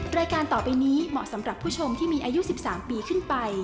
รายการต่อไปนี้เหมาะสำหรับผู้ชมที่มีอายุ๑๓ปีขึ้นไป